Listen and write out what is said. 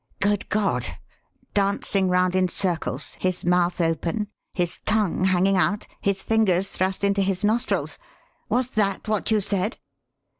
"Good God! Dancing round in circles? His mouth open? His tongue hanging out? His fingers thrust into his nostrils? Was that what you said?"